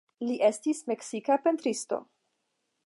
Li estis meksika pentristo.